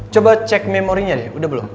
coba cek memorinya nih udah belum